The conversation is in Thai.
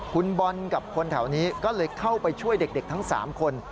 คุณบอลกับคนแถวนี้ก็เลยเข้าไปช่วยเด็กทั้ง๓คน